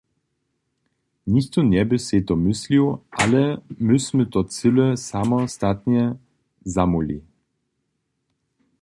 Nichtó njeby sej to myslił, ale my smy to cyle samostatnje zamóhli.